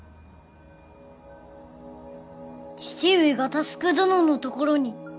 父上が佑どののところに？